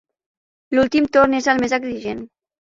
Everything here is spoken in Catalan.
L'últim torn és el més exigent.